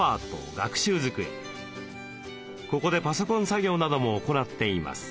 ここでパソコン作業なども行っています。